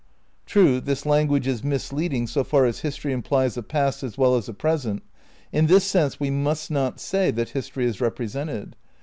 True, this language is misleading so far as "history" implies a past as well as a present; in this sense we must not say that history is represented.